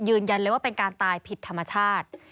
ยืนยันเลยว่าเป็นการตายผิดธรรมชาติ